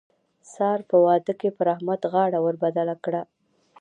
سار په واده کې پر احمد غاړه ور بدله کړه.